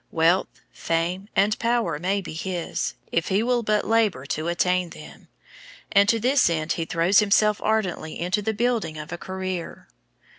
Wealth, fame, and power may be his, if he will but labor to attain them, and to this end he throws himself ardently into the building of a career.